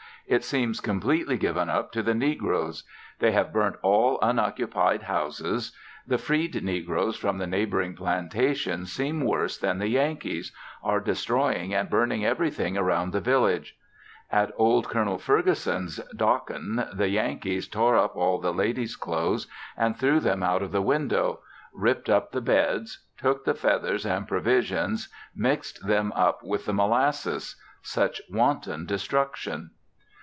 It seems completely given up to the negroes. They have burnt all unoccupied houses. The freed negroes from the neighboring plantations seem worse than the Yankees, are destroying and burning everything around the village. At old Col. Ferguson's, Dockon, the Yankees tore up all the ladies' clothes and threw them out of the window; ripped up the beds; took the feathers and provisions mixed them up with the molasses such wanton destruction!